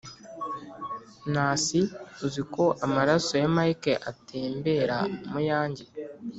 nasi uziko amaraso ya mike atembera muyange